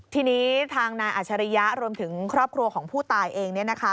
ทีนี้ทางนายอัชริยะรวมถึงครอบครัวของผู้ตายเอง